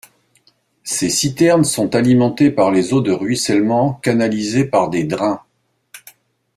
Ces citernes sont alimentées par les eaux de ruissellement canalisées par des drains.